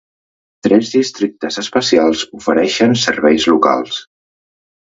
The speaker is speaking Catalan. Tres districtes especials ofereixen serveis locals.